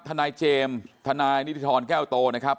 ทนายเจมส์ทนายนิติธรแก้วโตนะครับ